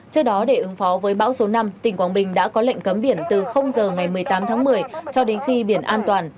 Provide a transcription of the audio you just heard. trước đó để ứng phó với bão số năm tỉnh quảng bình đã có lệnh cấm biển từ giờ ngày một mươi tám tháng một mươi cho đến khi biển an toàn